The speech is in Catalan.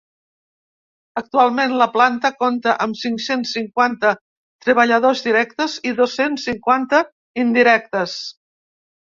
Actualment la planta compta amb cinc-cents cinquanta treballadors directes i dos-cents cinquanta indirectes.